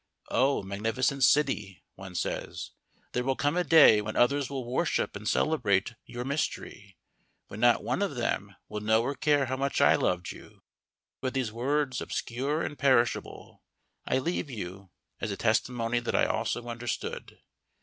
O magnificent city (one says), there will come a day when others will worship and celebrate your mystery; and when not one of them will know or care how much I loved you. But these words, obscure and perishable, I leave you as a testimony that I also understood.